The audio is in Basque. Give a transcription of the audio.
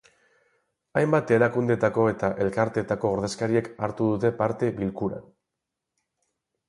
Hainbat erakundetako eta elkartetako ordezkariek hartu dute parte bilkuran.